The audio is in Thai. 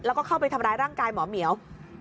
แล้วก็เข้าไปทำร้ายร่างกายหมอเหมียว